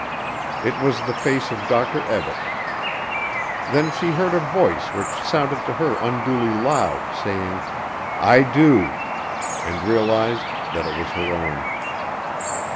It was the face of Dr. Ebbett.... Then she heard a voice which sounded to her unduly loud saying: "I do," and realized that it was her own.